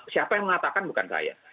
siapa yang mengatakan bukan saya